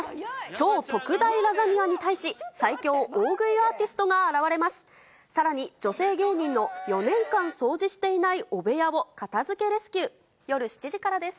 超特大ラザニアに対し、最強大食いアーティストが現れます。